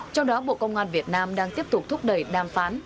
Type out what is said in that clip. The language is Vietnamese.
trong đó bộ công an việt nam đang tiếp tục thúc đẩy đàm phán